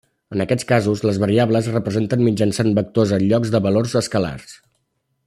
En aquests casos, les variables es representen mitjançant vectors en lloc de valors escalars.